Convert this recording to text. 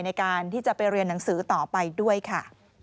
ในการที่จะไปเรียนหนังสือต่อไปด้วยค่ะ